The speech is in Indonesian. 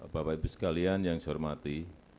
bapak ibu sekalian yang saya hormati